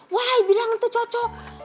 wah dia bilang itu cocok